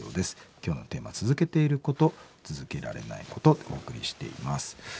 今日のテーマは「続けていること続けられないこと」でお送りしています。